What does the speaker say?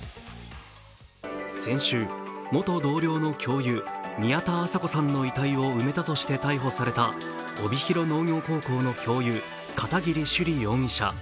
先週、元同僚の教諭宮田麻子さんの遺体を埋めたとして逮捕された帯広農業高校の教諭・片桐朱璃容疑者。